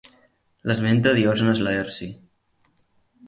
L'esmenta Diògenes Laerci.